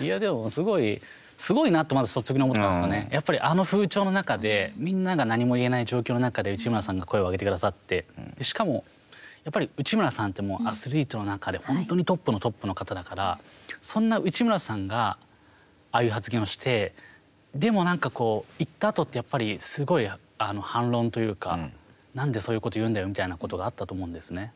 でも、すごいなとやっぱり、あの風潮の中で、みんなが何も言えない状況の中で内村さんが声を上げてくださってしかも、やっぱり内村さんってアスリートの中で本当にトップのトップの方だからそんな内村さんがああいう発言をしてでも、なんか言ったあとってすごい反論というかなんでそういうこと言うんだよみたいなことがあったと思うんですね。